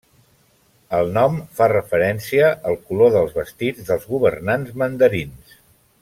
El nom fa referència al color dels vestits dels governants mandarins.